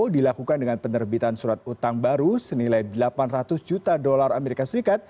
dilakukan dengan penerbitan surat utang baru senilai delapan ratus juta dolar amerika serikat